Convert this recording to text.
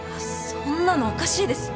そんなのおかしいです。